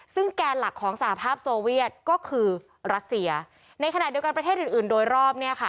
ซึ่งแกนหลักของสหภาพโซเวียตก็คือรัสเซียในขณะเดียวกันประเทศอื่นอื่นโดยรอบเนี่ยค่ะ